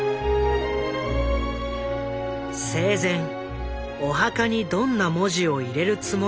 生前お墓にどんな文字を入れるつもりか聞いてみた。